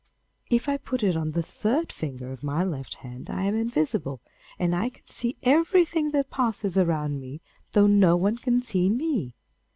If I put it on the third finger of my left hand I am invisible, and I can see everything that passes around me, though no one can see me.